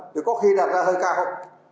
thì có khi đạt ra hơi cao